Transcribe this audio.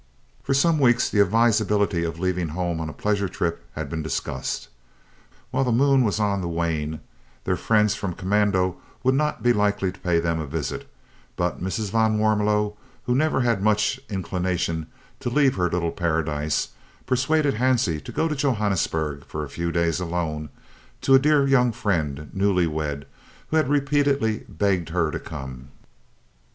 For some weeks the advisability of leaving home on a pleasure trip had been discussed. While the moon was on the wane their friends from commando would not be likely to pay them a visit, but Mrs. van Warmelo, who never had much inclination to leave her little paradise, persuaded Hansie to go to Johannesburg for a few days alone to a dear young friend, newly wed, who had repeatedly begged her to come.